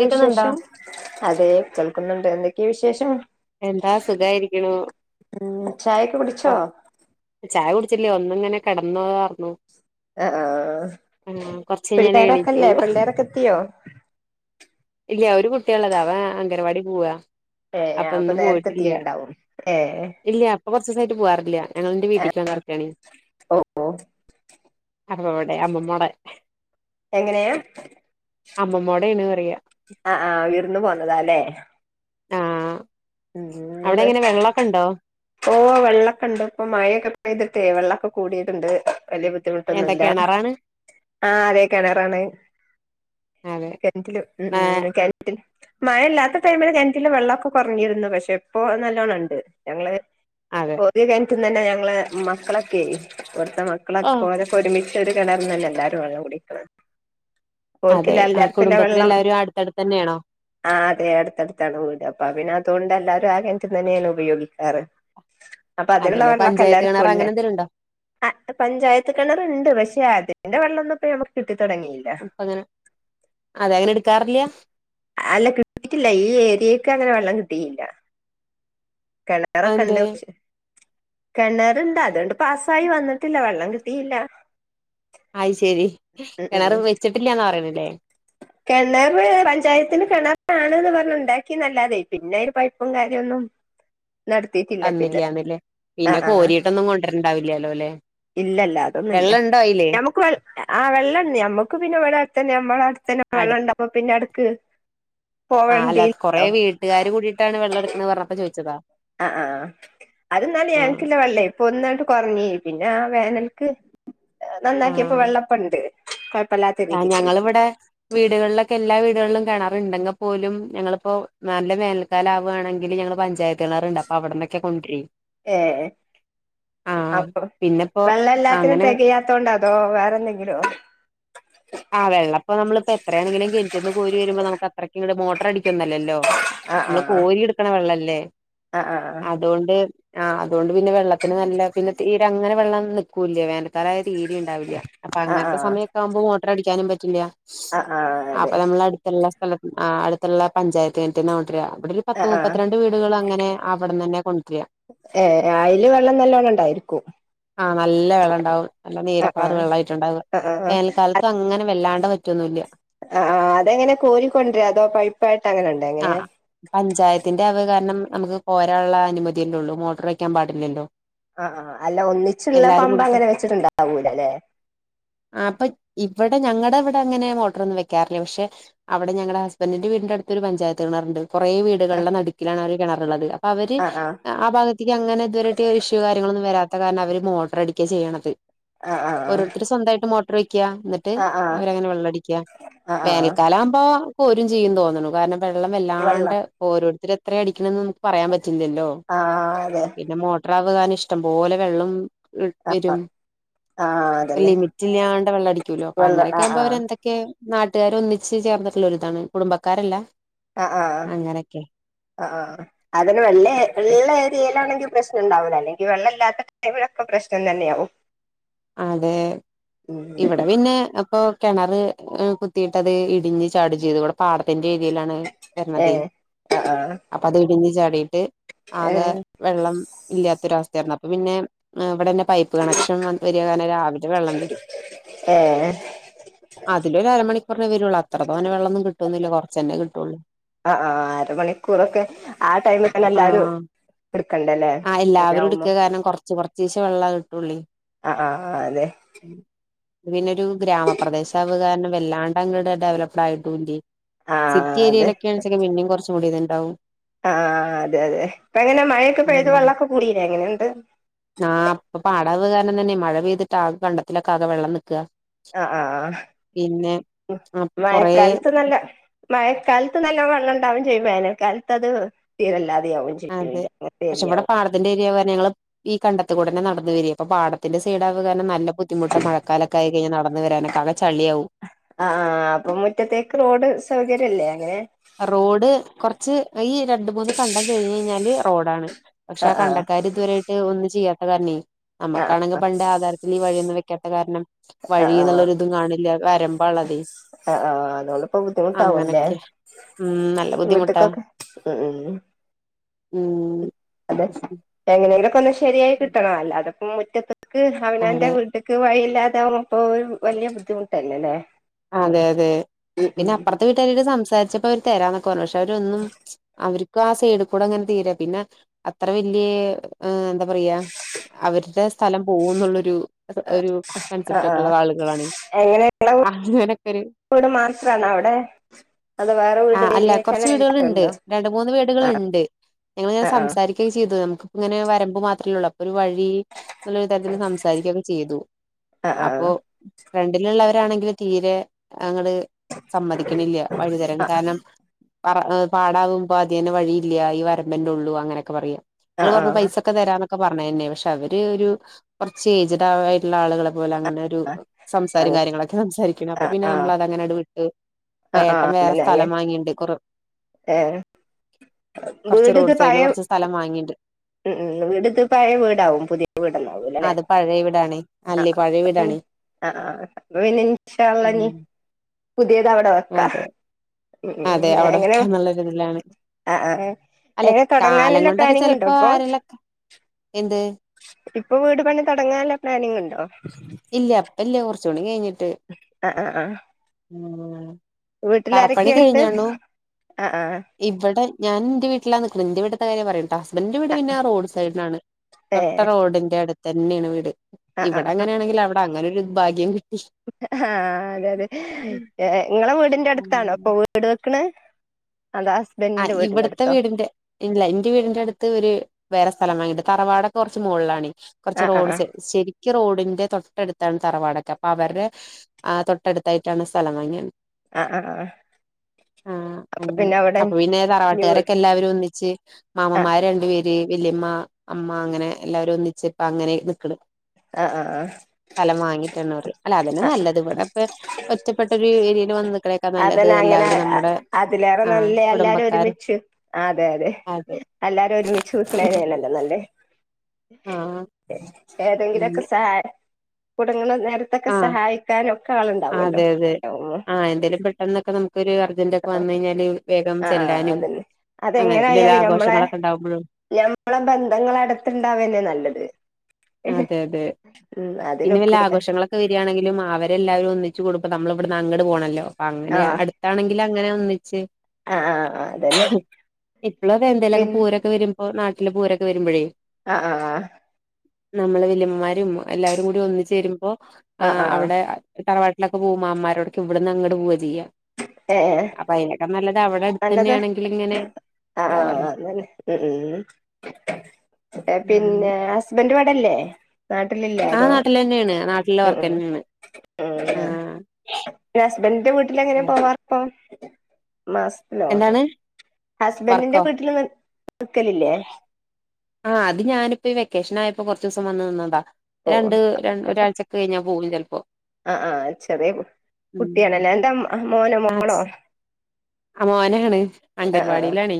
കേക്കുന്നുണ്ടോ വിശേഷം അതെ കേൾക്കുന്നുണ്ട് എന്തൊക്കെയ വിശേഷം എന്താ സുഖായിരിക്കണു ഉം ചായൊക്കെ ഓ കുടിച്ചോ ചായ കുടിച്ചില്ലേ ഒന്ന ഇങ്ങനെ കിടന്നോതാ പറഞ്ഞു ആ കഴിഞ്ഞാലേ പിള്ളേരൊക്കെല്ലേ എണീക്കുള്ളൂ പിള്ളേരൊക്കെ എത്തിയോ ഇല്ല ഒരു കുട്ടിയള്ളതാ അവൻ അംഗനവാടി പോവാ ഏ അപ്പൊ ഇന്ന് നേരത്തെ പോയിട്ടില്ല എത്തിണ്ടാവും ഏ ഇല്ല അപ്പൊ ആ [inaudible] യിട്ട് പോവാറില്ല ഞങ്ങളെന്റെ ആ, വീട്ടക്ക്റക്കണ ഓ ഓ അമ്മോടെ അമ്മമ്മോടെ എങ്ങനെയ അമ്മമ്മോടെയാണ് പറയാ ആ ആഹ് ഉർന്ന് പോന്നതാ അല്ലേ ആഹ ഉ ന പോവ വെള്ളമൊക്കെ ഉണ്ട് ഇപ്പൊ മഴൊക്കെെയ്തിട്ട പെയവെള്ളമൊക്കെ കൂടിയിട്ടുണ്ട് വലിയ ഏതാ ബുദ്ധിമുട്ടൊന്നുമല്ല കിണറാണ് ആഹ അതേ കിണറാണ് അതെ [unintelligible] ഉം ആഹ് ഉം, [unintelligible] മഴ ഇല്ലാത്ത ടൈമില് കിണറ്റില് വെള്ളൊക്കെ കൊറഞ്ഞിരുന് പക്ഷെ, ഇപ്പോ, നല്ലോണ്ണംണ്ട്, ഞങ്ങള് അതെ പ്പൊ, കെണറ്റ്ന്നെന്നെ, ഞങ്ങള്, മക്കളൊക്കെയ്, വട്ത്തെ, മക്കളൊെ, ഓ ഓരൊക്കെ, ഒരുമിച്ച് ഇടകലർന്ന് അല്ലെ എല്ലാരും, വെള്ളം, കുടിക്കണെ അതെ ഓർക്കില്ലെ, ആ എല്ലാർക്കുള്ള, വെള്ളം, കുടുംബത്തിലെല്ലാവരും അടുത്തടുത്ത് തന്നെയാണോ ആ, അതെ, അടുത്തടുത്താണ്, വീട്, അ പിന്നെ, അതോണ്ട്, എല്ലാരും, ആ, കിണറ്റിന്നന്നെയാണ്, ഉപയോഗിക്കാറ് അപ്പൊ, അതിനുള്ള, അതെല്ലെ വെള്ളക്കെ, പഞ്ചായത്ത് കിണർ എല്ലാർക്കുംല്ലേ അങ്ങനെ എന്തെലും ഉണ്ടോ ആ, പഞ്ചായത്ത്, കിണറുണ്ട്, പക്ഷെ, അതിന്റെ, വെള്ളോന്നും ഒന്നും ഞമ്മക് അപ്പങ്ങനെ, അതെ, അങ്ങനെ, എടുക്കാറില്ല അല്ല, കിട്ടിട്ടില്ല, ഈ ഏരിയക്ക്, അങ്ങനെ, വെള്ളം കിട്ടില്ല കെണറൊക്കെണ്ട്, അതെന്തേ പക്ഷെ കെണറുണ്ട്, അതണ്ട്, പാസ്സായി, വന്നിട്ടില്ല വെള്ളം, കിട്ടിയില്ല അയ്ശെരി, കെണറ്, വെച്ചിട്ടില്ലാന്നാ, പറയണല്ലേ കെണറ്, പഞ്ചായത്തിന്, കിണറുണ്ടന്ന് പറഞ്ഞ് ണ്ടാക്കിന്നല്ലാതെയ്, പിന്നയില്, കൊയപ്പോം, കാര്യൊന്നും നടത്തീട്ടില്ല, പിന്നെ തന്നില്ലാന്നില്ലേ ആ പിന്നെ, ആ കോരിട്ടൊന്നും, കൊണ്ടരണ്ടാവില്ലല്ലോ, ല്ലെ ഇല്ലല്ല, അതൊന്നുല്ല, ഞമ്മക്ക്, വേ, ആ, വെള്ളണ്ട്, ഞമ്മക്ക് പിന്നെ, ഇവിടെ അടുത്തന്നെ, നമ്മള, അടുത്തന്നെ വെള്ളണ്ടപ്പ, പിന്നെടക്ക് ആഹ്, അല്ലാ, കൊറെ, വീട്ട്കാര്, കൂടിയിട്ടാണ്, വെള്ളടക്കണേന്ന് പ റഞ്ഞപ്പോ, ചോയ്ച്ചതാ ആ്, ആ, അത്, ന്നാല്, ഞങ്ങക്കില്ല, വെള്ളേ, പ്പൊന്നങ്ങട്ട്, കൊറഞ്ഞിനിം ഞ്ഞ, വേനൽക്ക്, ആ നന്നാക്കിയപ്പോ, വെള്ളപ്പ ണ്ട് കൊയപ്പല്ല ആ, ഞങ്ങളിവടെ, വീടുകളിലൊക്കെ, എല്ലാ വീടുകളിലും, കെണാറുണ്ടെങ്ക പോലും, ഞങ്ങളിപ്പോ, നല്ല, വേനൽക്കാലാവാണെങ്കില്, ഞങ്ങള്, പഞ്ചായത്ത് കിണറ്ണ്ട്, അപ്പൊ, അവിടെന്നൊക്കെ, കൊണ്ടരേ ഏ അപ്പൊ, വെള്ളല്ലാത്തിനും, അങ്ങനെ തെകയാത്തോണ്ട, അതോ, വേറെ, എന്തെങ്കിലോ ടേക് ആ, വെള്ളപ്പൊ, നമ്മള്പ്പൊ, എത്രായാ ണെങ്കിലും, കെണറ്റ്ന്ന്, കോരി വരു മ്പോ, നമ്മക്കത്രക്കിങ്ങട്ട്, മൊട്ടർ അടിക്കുക യൊന്നുല്ലലോ ആ ആ നമ്മള്, ആ കോരി എടുക്കണ, വെള്ളല്ലേ, ആ ആ അതോണ്ട് ആഹ്, അതോണ്ട് പിന്നെ, വെള്ളത്തിന്, നല്ല, പിന്നെ, തീരങ്ങനെ, വെള്ളം, നിക്കൂല്ലാ, വേനൽക്കാലായ തീരിംണ്ടാവില്ല, അപ്പൊ, ആ ആ അങ്ങനത്തെ, സമയൊക്കാവുമ്പോ, മോട്ടർടിക്കാനും, പറ്റില്ല ആ ആ അതെ അപ്പൊ, നമ്മളടുത്തുള്ള സ്ഥല, അടുത്തുള്ള, പഞ്ചായത്ത്, കെണറ്റ്ന്നാ, കൊണ്ടര, അവടെ, ഒരു, ആ പത്ത്, ആ മുപ്പത്ത്രണ്ട്, വീടുകളങ്ങനെ, അവിടന്നെന്നെ ഏ, അയില്, വെള്ളം നല്ലോണ്ണം, ഇണ്ടായിരിക്കും ആഹ്, നല്ല വെള്ളംണ്ടാവും, നല്ല നീലക്കളർ, ആ വെള്ളയിട്ടുണ്ടാവ, ആ ആ വേനൽക്കാലത്തങ്ങനെ അങ്ങനെ, വല്ലാണ്ട, വറ്റൊന്നുല്ല ആ്, അ, ആ, അതെങ്ങനെ, കോരിക്കൊണ്ടര, അതോ, പയ്പ്പായിട്ട്, അങ്ങനെണ്ട, ആ എങ്ങനെ പഞ്ചായത്തിന്റെ അത് കാരണം നമുക്ക്, കൊരാള്ള, അനുമതിയല്ലേ, ഉള്ളൂ, മോട്ടർ, വയ്ക്കാൻ, പാടില്ലല്ലോ ആഹ്, ആ, അല്ല, ഒന്നിച്ചുള്ള, എല്ലാരും കൂടിട്ട് പമ്പങ്ങനെ, വെച്ചിട്ടുണ്ടാവൂലല്ലെ അപ്പൊ, ഇവ പക്ഷെ, ഞങ്ങടെ അവിടെ, അങ്ങനെ മോട്ടർ ഒന്നും വെക്കാറില്ല. പക്ഷെ അവിടെ ഞങ്ങടെ ഹസ്ബൻന്റിന്റെ, വീടിന്റടുത്തൊരു, പഞ്ചായത്ത് കിണറുണ്ട് കൊറയെ, വീടുകളുടെ, നടുക്കിലാണ്, ആ ഒരു കിണറുള്ളത് അപ്പൊ അപ്പ, അവര്, ആ, ഭാഗത്തേക്ക്, അങ്ങനെ, ഇതുവരെ ആയിട്ട് ഇഷ്യൂ, കാര്യങ്ങളൊന്നും, വരാറില്ല ത്തകാരണം, അവര്, മോട്ടറടിക്ക, ചെയ്യണത്, ആ ആ ഓരോരുത്തർ, സ്വന്തായിട്ട്, മോട്ടർ ക്ക്യ, ന്നട്ട്, ആ ആ അവരങ്ങനെ, വെള്ളടിക്ക, ആ ആ വേനൽക്കാലാവുമ്പോ, ക്കോരും, ചെയ്യും, തോന്നണു, കാരണം വെള്ളം, വെള്ളം വല്ലാണ്ടെ, ഓരോരുത്തര്, എത്രെടിക്കണ എന്നും പറയാൻ പറ്റില്ലല്ലോ, ആ അതെ പിന്നെ, മോട്രാവ്കാന നിഷ്ടം പോലെ, വെള്ളം ഇ, വരും, ആ അതന്നെ ലിമിറ്റില്ലാ അടികൊല്ലോ, വെള്ളം ആ അങ്ങനെയൊക്കെ, ആവുമ്പോ, ആ അവര് എന്തൊക്കെ, നാട്ടുകാര് ഒന്നിച്ച്, ചേർന്നിട്ടുള്ള ഒരിതാണ്, കുടുംബക്കാരല്ല ആ, ആ, അങ്ങനെയൊക്കെ അ, ആ, അതിന്, വെള്ള, ഇള്ള, ഏരിയയിലാണെങ്കിൽ പ്രശ്നണ്ടാവുല, അല്ലെങ്കി, വെള്ളല്ലാത്ത, ടൈമിലൊക്കെ, പ്രശ്നം, തന്നെയാകും. അതെ ഇവിടെ പിന്നെ അ ഇപ്പൊ കിണർ കുത്തിയിട്ട് അത് ഇടിഞ്ഞ് ചാടി ചെയ്തു പാടത്തി രീതിയിലാണ് ഏ വരണത് ആ ആ അപ്പൊ അത് ഇടിഞ്ഞ് ചാടിട്ട് ഏ ആകെ വെള്ളം ഇല്ലാത്തൊരവസ്ഥയായിരുന്നു അപ്പൊ പിന്നെ ഇവിടെന്നെ പൈപ്പ് കണക്ഷൻ വ വരിയാ കനെ രാവിലെ വെള്ളം വരും ഏ അതി ഒരു അരമണികു വരുള്ളൂ അത്ര തോനെ വെള്ളൊന്നു കിട്ടന്ന്ല്ല്യ കൊറച്ചേനെ കിട്ടൂള്ളൂ അ ആ അരമണിക്കൂറൊക്കെ ആ ടൈമിൽ തന്നെ ആ എല്ലാരു ആ എല്ലാവരും എടുക്ക കാരണം കൊറച്ച് കൊറച്ചസെ വെള്ള കിട്ടുളേ അ ആ ആ അതെ പിന്നെരു ഗ്രാമപ്രദേശ കാരണം വല്ലാണ്ട് അങ്ങടെ ഡെവലപ്ഡ് ആയിട്ടൂല്ല്യേ ആ സിറ്റി ഏരിയയിലൊക്കെയാണെച്ചെങ്കിൽ പിന്നേം കുറച്ചൂടിയ ഇത് ഉണ്ടാവും അ ആ അതെ അതെ അപ്പ അങ്ങനെ മഴയൊക്കെ പഴ്ത് വെള്ളമൊക്കെ കൂടില്ലേ എങ്ങനെണ്ട് ആ അപ്പൊ പാടാവ് കാരണം തന്നെ മഴ പെയ്തിട്ട് ആ കണ്ടത്തിലൊക്കെ ആകെ വെള്ളം നിക്കാ ആ ആ ആ പിന്നെ അപ്പൊ മഴ കൊറേ കാലത്ത് നല്ല മഴക്കാലത്ത് നല്ല വള്ളം ഉണ്ടാവും ചെയ്യും വേനക്കാലത്ത് അത് തീരല്ലാതെ അതെ പക്ഷെ ഇവിടെ പാടത്തിന്റെ ഏരിയ പറ ഞങ്ങള് ഈ കണ്ടത്തുകൂടെന്നെന്ന വരിക അപ്പൊ പാത്തിന്റെ സൈഡകുക നല്ല ബുദ്ധിമുട്ട മഴക്കാലൊക്കെ ആ ഴി നടന്നുവരാനക്കെ അ ആ അപ്പൊ മുറ്റത്തേക്ക് റോഡ് സൗകര്യല്ലേ അങ്ങനെ റോഡ് കൊറച്ച് ഈ രണ്ട മൂന്ന് കണ്ടം കഴിഞ്ഞ് കഴിഞ്ഞാല് റോഡാണ് പക്ഷെ ആ കണ്ടക്കാർ ഇതുരായിട്ട് ഒന്നി ചെയ്യാത്ത കാരണേ ആ ആ നമുക്കാണെങ്കിൽ പണ്ട് ആധാരത്തിൽഈ വഴിയന്നും വെക്കാത്ത കാരണം ആ വഴിന്നുള്ളരു ഇതും കാണില്ല വരമ്പ ഉള്ളതെ അ ആ അതോടുപ്പം ബുദ്ധിമുട്ടാവുല്ലേ ഉം നല്ല ബുദ്ധിമുട്ടാ ഉ അതെ എങ്ങനെങ്കിലൊക്ക ഒന്ന ശരിയായി കിട്ടണ അല്ല അതൊപ്പ മു ക്ക് അവനന്റെ അതെ വീട്ടക്ക് വഴിയില്ലാതൊവുപ്പോ വലിയ ബുദ്ധിമുട്ടന്നേലല്ലേ അതെ അതെ പിന്നെപ്പറത്തെ വീട്ടാരു സംസാരിച്ചപ്പോ അവര് തരാനൊക്കെ പറഞ്ഞന് പക് രൊന്നും അവര് ആ സൈഡ് കൂടെ അങ്ങനെ തീരാ പിന്നെ അത്ര വല്യ ഏ എന്താ പറയാ അവരുടെ സ്ഥലം പോവൂന്നുള്ളരു അ ആ എങ്ങനെയു അങ്ങനൊക്കെ ഒരു ട് മാത്രണ അടെ ആ അല്ല കൊറച്ച് വീടുകളുണ്ട് രണ്ട്മൂന്ന് ആഹ് വീടുകള്ണ്ട് ഞങ്ങള് ഞൻ ആഹ് സംസാരിക്കുകയും ചെയ്തു നമക്കിങ്ങനെ വരമ്പു മാത്രം ള്ളൂ അപ്പൊ ഒരു വഴി നല്ലരു തരത്തിൽ സംസാരിക്കയൊക്കെ ചെയ്തു ആഹ് അപ്പൊ ആഹ് ഫണ്ടിലുള്ളവരാണെങ്കില് തീരെ ങ്ങള് സമ്മതിക്കണില്ല വഴിതരാൻ കാരണം പറ പാടാവുമ്പോ അതനെ വഴില്ല്യ ഈ വരമ്പന്നെ ഉള്ളൂ അങ്ങനെയൊക്കെ പറയാ ആഹ് ആഹ് ങ്ങള് ആഹ് പൈസൊക്കെ തരാന്നൊക്കെ പറഞ്ഞത് തന്നെ പക്ഷെ അവര് ഒരു കുറച്ച് ഏജഡ് ആയിട്ടുള്ള ആളുക അതുപോലെ അങ്ങനെ ഒരു ആഹ് സംസാരം ആഹ് കാര്യങ്ങളൊക്കെ സംസാരിക്കണം അപ്പൊ ആഹ് പിന്നെ നമ്മള അതങ്ങനെ അട് വിട്ട് ആഹ് ആഹ് ആഹ് വേട്ടം വേറെ അങ്ങനെ അങ്ങനെ സ്ഥലം വാങ്ങിണ്ട് കൊറ ഏഹ് കുറച്ച് വീട് ഇത് റോഡ് സൈഡ് പഴയ കുറച്ച് സ്ഥലം വാങ്ങിയിണ്ട് ഉം വീടത്ത് പഴയ വീടാവും പുതിയ വീടന്നാവൂലല്ലെ അത് പഴയ വീടാണേ അ അല്ലേ പഴയ വീടാണേ ആ അ ആ ഇൻഷഅള്ള ഉം പുതിയത് അവിടെ വെക്കാ ഹ അതെ ഉ അതെ ഉ അവിടെ എങ്ങനെ വെക്കാന്നുള്ളൊരിതിലാണ് അ ആ അല്ല അങ്ങനെ കാലം തുടങ്ങാനുള്ള കൊണ്ടൊക്കെ പ്ലാനിങ് ഇണ്ടോ ചെലപ്പോ അപ്പോ ആരെലൊക്കെ എന്ത് ഇപ്പൊ വീട് പണി തുടങ്ങാനുള്ള പ്ലാനിങ് ണ്ട് ഇല്ല ഇപ്പല്ല്യ കുറച്ചുടിം കഴിഞ്ഞിട്ട് അ അ ആ ഉ തറപ്പണി വീട്ടിലാരൊക്കെയുണ്ട് കഴിഞ്ഞണു ആ ആ ഇവിടെ ഞൻ എന്റെ വീട്ടിലാ നിക്കണ്. എന്റെ വിട്ടിത്തെ കാര്യമാണ് പറയണ്. ട്ട എൻ്റെ വീട് പിന്നെ ആ റോഡ് സൈഡിനാണ് ഏ തൊട്ട റോഡിന്റെ അടുത്തന്നെയാണ് വീട്. ആ ആ ഇവിടെ അങ്ങനെയാണെങ്കിൽ, അവിടെ അങ്ങനെ ഒരു ഭാഗ്യം കി ആ അതെ അതെ നിങ്ങളെ വീടിന്റെ അടുത്താണോ ഇപ്പൊ വീട് വെക്കണ്. ആ ഇവിടത്തെ അടുത്തോ വീടിന്റെ ഇല്ല എൻ്റെ വീടിന്റെ അടുത്ത് ഒരു വേറെ സ്ഥ സ്ഥലം വാങ്ങിയിട്ട് തറവാടൊക്കെ കുറച്ച് മുകളിലാണ്. കുറച്ച് ആ ആ റോഡ് ആ സൈ ശരി ക്ക് റോഡിന്റെ തൊട്ടടുത്താണ് തറവാടൊക്കെ. അപ്പൊ അവരുടെ ആ തൊട്ടടുത്തായിട്ടാണ് സ്ഥലം വാങ്ങിയെ ആ ആ ആ ആഹ് അപ്പൊ അങ്ങനെ പിന്നെ അവിടെ അപ്പൊ പിന്നെ ഇനി വീട് തറവാട്ടുകാരൊക്കെ എല്ലാവരും ഒന്നിച്ച്. ആ മാമ്മന്മാര് രണ്ടുപേര് ദേ വല്യമ്മ, അമ്മ അങ്ങനെ എല്ലാവരും ഒന്നിച്ച് ഇപ്പ അങ്ങനെ നിക്കണ്. ആ ആ സ്ഥലം വാങ്ങിട്ടാണ്. റ് അല്ല അതന്നെ ആ നല്ലത് ഇവിടെപ്പ ഒറ്റപ്പെട്ടൊരു ഏരിയയിൽ വന്നു നിക്ക അതന്നെ അങ്ങനെ അതിലേറെ ആഹ് നല്ലേ എല്ലാരും കുടുംബക്കാര് ഒരുമിച്ച് അതെ, അതെ എല്ലാരും ഒരുമിച്ച് നിക്കണേതല്ലേ നല്ലേത്. [inaudible] ആ ഏതെങ്കിലും മൊക്കെ സാ കുടുങ്ങണനേ നേരത്തൊക്കെ ആഹ് സഹായിക്കാനൊക്കെ ആളുണ്ടാവുല്ലോ. പെന്നൊക്കെ നമുക്ക് ഒരു അർജൻ്റൊക്കെ വന്ന് കഴിഞ്ഞാല് വേഗം ആഹ് ചെല്ലാനും. അതന്നെ അങ്ങനെ പിന്നെല്ലാം, അതെങ്ങനായാലും ഞമ്മളെ ആഘോഷങ്ങളൊക്കെ ഉണ്ടാകുമ്പോഴും. ഞമ്മളെ ബന്ധങ്ങള് അടുത്തണ്ടാവനെ നല്ലത്. അതെ, അതെ, ഉം പിന്നെ വല്ല അതിനൊക്കൂല ആഘോഷങ്ങളൊക്കെ വരിയാണെങ്കിലും. അവരെല്ലാവരും ഒന്നി ച്ചു കൊടുപ്പ നമ്മള് ഇവിടുന്ന് അങ്ങട് പോകണല്ലോ. അപ്പൊ അങ്ങനെയ ആഹ് അടുത്താണെങ്കിൽ അങ്ങനെ ഒന്നിച്ച് ആഹ് ആഹ് ആഹ് അതന്നെ ഇപ്പഴ വേന്തെലുമൊക്കെ പിൻ പൂരൊക്കെ വരുമ്പ ഓ നാട്ടില് പൂരൊക്കെ വരുമ്പോഴേ ആ ആ നമ്മള് വല്യമ്മമാരും എല്ലാവരും. കൂടി ഒന്നിച്ചു വരുമ്പോ, ആ ആഹ് ആഹ് അവിടെ തറവാട്ടി മാമ്മൻമാരോടൊ ഇവിന്ന് അങ്ങട് പോവുക ചെയ്യാം, ഏഹ് അപ്പൊയിനെകാട്ടി നല്ല അവിടെ അടുത്ത് തന്നെയാണെങ്കിൽ ഇങ്ങനെ ആ ആ ഇതാവാലോ മ് മ്മ് ഉ ആ പിന്നെ അങ്ങനെ ഹസ്ബൻ്റുമായി അപ്പല്ലേ നാട്ടിലില്ല ആ അതോ നാട്ടിൽ തന്നെയാണ് നാട്ടിലെ മ് വർക്ക് മ് തന്നെയാണ് മ ഹസ്ബൻ്റിന്റെ വീട്ടിലെങ്ങനയ ആഹ് പോവാറപ്പോ. ലോ എന്താണ് ഹസ്ബൻ്റിന്റെ വർക്കോ വീട്ടില് നിൽ നിക്കലില്ലേ? ആ അത് ഞാനിപ്പപ്പോ ഈ വെക്കേഷൻ ആയപ്പോ കുറച്ച് ദിവസം വന്നു നിന്നതാ. ഓഹ് രണ്ട് രണ്ട ഒരാഴ്ച്ചക്കെ കഴിഞ്ഞാ പോകും. ചിലപ്പോ? ആഹ് ആഹ് ചെറിയ കു ട്ടിയാണല്ലേ? എന്താ മ് മോനോ? മോളോ? ച്ച് ആ മോനാണ്. ആ ആ അംഗൻവാടിയിലാണ്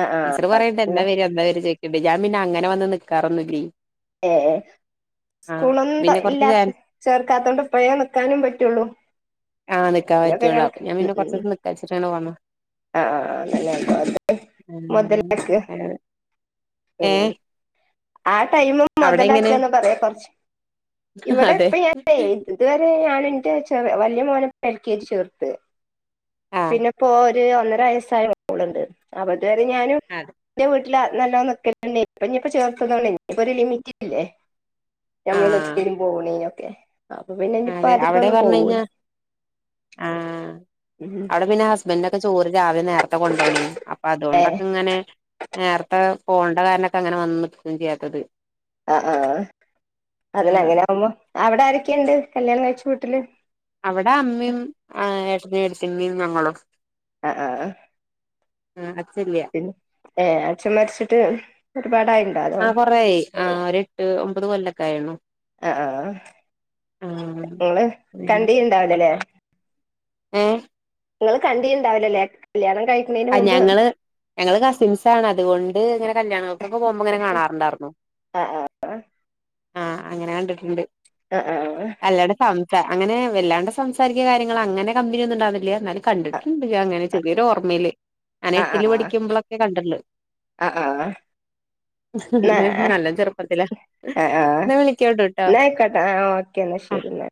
ആ ആ ടീച്ചർ പറയട്ടെ എന്നാ പിന്നെ വര്യ എന്നാ വര്യ ജാമിന്ന അങ്ങനെ വന്ന് നിക്കാറൊന്നുല്ലേ. എ എ ആ സ്കൂളൊന്നും തൊ പിന്നെ കൊറച്ച് ചാൻ ഇല്ലാത്ത ചേർക്കാത്ത കൊണ്ട്പ്പഴേ നിക്കാനും പറ്റുള്ളും. ആ നിക്കാൻ പറ്റുള്. അപ്പൊ ഞാ പിന്നെ കുറച്ചു ദിവസം നിക്കാ വച്ചിട്ട ആ ആ അല്ല അ മുതലാക്ക് ഏ ഉം ആ ടൈമ് അവിടെ എങ്ങനെ മുതലാക്കിയന്ന് പറയാ കുറച്ച്. ഇവിടെ അതെ ഇപ്പ ഞൻ ഏ ഇതുവരെ എൻ്റെ ചെറിയ വലിയ മോനെ പ്പം എൽ കെ ജിയിൽ ചേർത്ത്. ആ പിന്നെ ഇപ്പോ ഒന്നര വയസായ മോള്ണ്ട്. അപ്പതുവരെ ഞാനും അതെ എൻ്റെ വിട്ട ല ല്ലോ നിക്കലണ്ട് ഇപ്പൊ ഇനിയിപ്പോ ചേർത്തതോണ്ട് ഇപ്പ ഒരു ലിമിറ്റ് ഇല്ലേ. ആ ഞങ്ങൾ വച്ചും പൊണിനൊക്കെ അതെ അവിടെ പറഞ്ഞ കഴിഞ്ഞാ ആ ഉം അവിടെ പിന്നെ ഹസ്ബൻഡറ ഒക്കെ ചോറി രാവിലെ നേരത്തെ കൊണ്ടപോണേ അപ്പൊ ഏ അതുകൊണ്ടൊക്കെ ഇങ്ങനെ നേരത്തെ പോണ്ട കാരനൊക്കെ അങ്ങനെ വന്നം ചെയ്യാത്തത് ആ ആഹ് അതിന് ആഹ് അങ്ങനെ ആവുമ്പോ, അവിടെ ആരൊക്കെയുണ്ട് കല്യാണം കഴിച്ച വീട്ടിൽ അവിടെ അമ്മയും ആ ഏട്ടനും, എടയതിയമ്മയും, ഞങ്ങളും ആഹ ആഹ ഉ പിന്നെ ഏ അച്ഛൻ മരച്ചിട്ട് ആ കൊറൊയി ആ ഒരെട്ട് ഒമ്പത് കൊല്ലൊക്കെ ആയിണു ആ ആ ആഹ് നിങ്ങള് കണ്ടീണ്ടാവലല്ലേ ഏ നിങ്ങള് കണ്ടീണ്ടാവില്ലല്ലേ, കല്ല്യാണം കഴിക്കുന്നതിന് ആഹ് മുമ്പ് ഞങ്ങള് ഞങ്ങള് കസിൻസ് ആണ് അതുകൊണ്ട് ഇങ്ങനെ കല്യാണം ക്കെ പോകുമ്പോങ്ങനെ കാണാറുണ്ടായിരുന്നു. ആ ആഹ അങ്ങനെ കണ്ടിട്ടുണ്ട്. ആഹ ആഹ് അല്ലാണ്ട് സംസാ അങ്ങനെ വല്ലാണ്ട് സംസാരിക്കാ കാര്യങ്ങൾ അങ്ങനെ കമ്പനി ഒന്നുംണ്ടാവുന്നില്ല. എന്നാല കണ്ടിടുക്കണ്ടണ്ട് അങ്ങനെചെറി യൊരു ഓർമ്മയില് ഞനെ എട്ടില് പഠിക്കുമ്പോളൊക്കെ കണ്ടുള്ളു. ആഹ നല്ല ആഹ് നല്ല ചെറുപ്പത്തിലാ ആ ആ എന്നാ വിളിക്കാട്ടോ ട്ടോ ന്ന ആയിക്കോട്ടെ ഒകെന്ന. ആ ശരി എല്ലേ